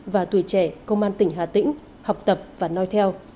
và tuổi trẻ công an tỉnh hà tĩnh học tập và nói theo